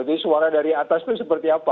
jadi suara dari atas itu seperti apa